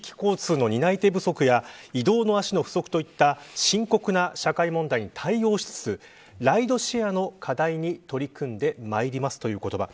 地域交通の担い手不足や移動の足の不足といった深刻な社会問題に対応しつつライドシェアの課題に取り組んでまいりますという言葉